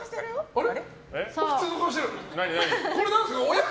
あれ？